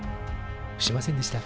しませんでした。